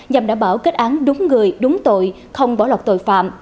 nhằm đảm bảo kết án đúng người đúng tội không bỏ lọc tội phạm